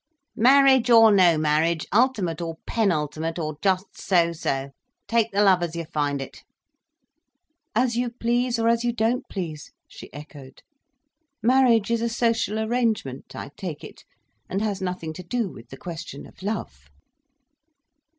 "Marriage or no marriage, ultimate or penultimate or just so so?—take the love as you find it." "As you please, or as you don't please," she echoed. "Marriage is a social arrangement, I take it, and has nothing to do with the question of love."